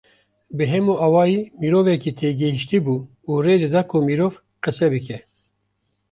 Bi hemû awayî mirovekî têgihiştî bû û rê dida ku mirov qise bike